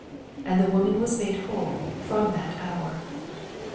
And th« woman was made whole from that hoar.